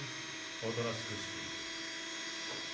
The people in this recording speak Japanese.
おとなしくしていろ。